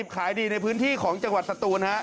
ขายดีในพื้นที่ของจังหวัดสตูน